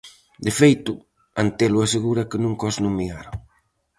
De feito, Antelo asegura que nunca os nomearon.